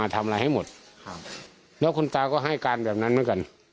ทำอะไรให้หมดแล้วคุณตาก็ให้การแบบนั้นเหมือนกัน